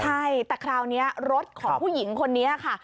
ใช่แต่คราวนี้รถของผู้หญิงคนนี้ค่ะ